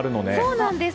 そうなんです。